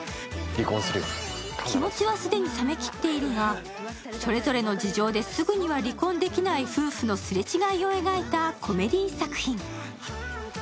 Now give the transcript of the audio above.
気持ちは既にさめきっているがそれぞれの事情ですぐには離婚できない夫婦のすれ違いを描いたコメディー作品。